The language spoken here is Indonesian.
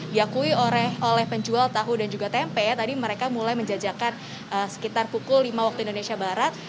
diakui oleh penjual tahu dan juga tempe tadi mereka mulai menjajakan sekitar pukul lima waktu indonesia barat